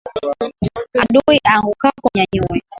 Adui aangukapo mnyanyue